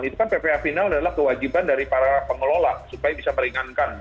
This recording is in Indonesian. itu kan ppa final adalah kewajiban dari para pengelola supaya bisa meringankan